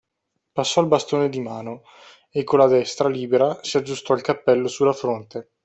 Passò il bastone di mano e con la destra libera si aggiustò il cappello sulla fronte.